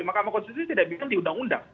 mahkamah konstitusi tidak bilang di undang undang